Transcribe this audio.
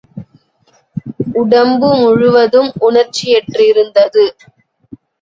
உடம்வு முழுவதும் உணர்ச்சியற்றிருந்தது.